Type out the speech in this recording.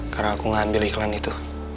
karena aku gak ambil iklan itu